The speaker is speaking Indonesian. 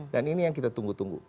dan ini yang kita tunggu tunggu